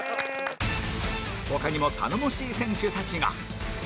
他にも頼もしい選手たちが